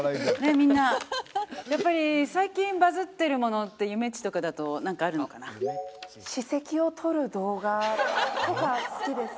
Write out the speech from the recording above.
みんなやっぱり最近バズってるものってゆめっちとかだとなんかあるのかな？とか好きです。